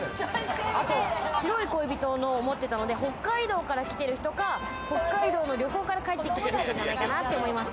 あと白い恋人を持ってたので、北海道から来てる人か、北海道の旅行から帰ってきてる人じゃないかなって思います。